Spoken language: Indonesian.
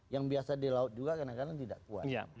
yang biasa di laut juga kadang kadang tidak kuat